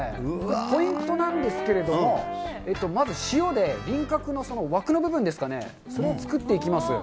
ポイントなんですけれども、まず塩で、輪郭の枠の部分ですかね、それを作っていきます。